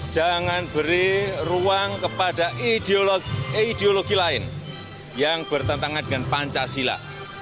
jangan beri ruang kepada ideologi lain yang bertentangan dengan pancasila